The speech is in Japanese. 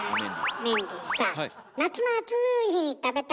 メンディーさあ